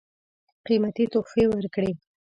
قېمتي تحفې ورکړې.